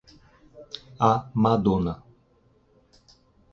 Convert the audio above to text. "A Madona"